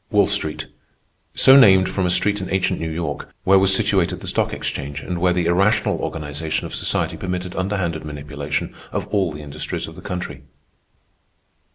Wall Street—so named from a street in ancient New York, where was situated the stock exchange, and where the irrational organization of society permitted underhanded manipulation of all the industries of the country.